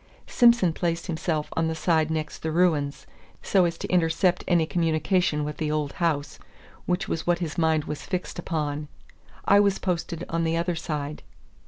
Simson placed himself on the side next the ruins, so as to intercept any communication with the old house, which was what his mind was fixed upon. I was posted on the other side.